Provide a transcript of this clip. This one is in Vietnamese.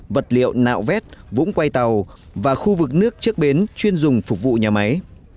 vật liệu nạo vét vũng quay tàu và khu vực nước trước bến chuyên dùng phục vụ nhà máy